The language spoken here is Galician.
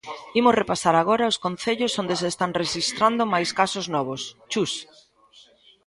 Imos repasar agora os concellos onde se están rexistrando máis casos novos, Chus.